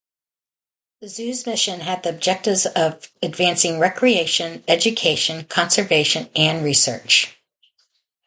The zoo's mission had the objectives of advancing recreation, education, conservation and research.